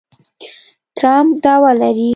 ټرمپ دعوه لري